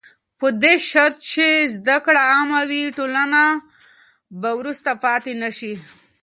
په دې شرط چې زده کړه عامه وي، ټولنه به وروسته پاتې نه شي.